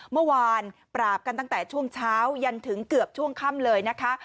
เมื่อวานปราบกันตั้งแต่ช่วงเช้ายันถึงเกือบช่วงค่ำเลยนะคะ